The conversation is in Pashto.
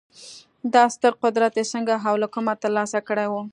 دا ستر قدرت یې څنګه او له کومه ترلاسه کړی و